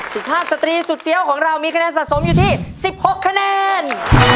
สุภาพสตรีสุดเฟี้ยวของเรามีคะแนนสะสมอยู่ที่๑๖คะแนน